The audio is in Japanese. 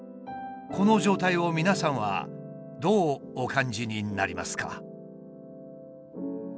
この状態を皆さんはどうお感じになりますか？